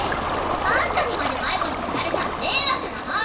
あんたにまで迷子になられたらめいわくなの！